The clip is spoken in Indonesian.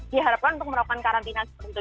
diharapkan untuk melakukan karantina seperti itu